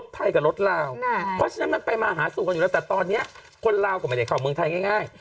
ไม่ได้มาหาสู่คนอยู่แล้วแต่ตอนนี้คนลาวก็ไม่ได้เข้าเมืองไทยง่าย